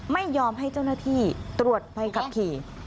ไม่ยอมให้เจ้าหน้าที่ตรวจใบขับขี่